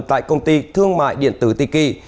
tại công ty thương mại điện tử tiki